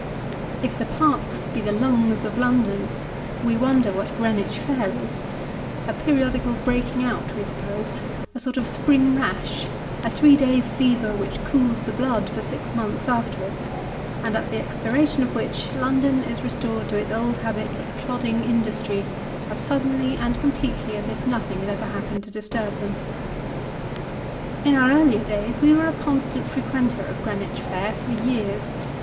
IF the Parks be " the lungs of London," wo wonder what Greenwich Fair is a periodical breaking out, we suppose, a sort of spring rash : a three days' fever, which cools the blood for six months after wards, and at the expiration of which London is restored to its old habits of plodding industry, as suddenly and completely as if nothing had ever happened to disturb them. In our earlier days, we were a constant frequenter of Greenwich Fair, for years.